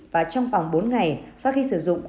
và trong vòng bốn ngày sau khi sử dụng